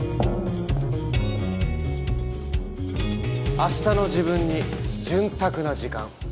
「明日の自分に潤沢な時間」。